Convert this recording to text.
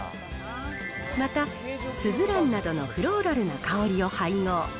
また、すずらんなどのフローラルな香りを配合。